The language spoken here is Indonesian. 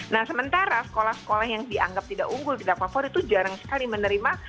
nah sementara sekolah sekolah yang dianggap tidak unggul tidak favorit itu jarang sekali menerima